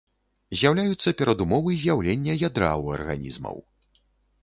З'яўляюцца перадумовы з'яўлення ядра ў арганізмаў.